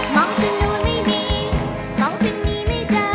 มองถึงโน่นไม่มีมองถึงหนีไม่เจอ